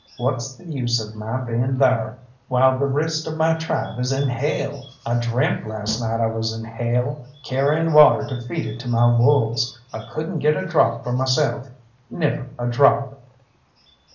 What's the use of my being thar, while the rest of my tribe is in hell? I dreamt last night I was in hell, carrying water to feed it to my wolves; I couldn't get a drop for myself never a drop."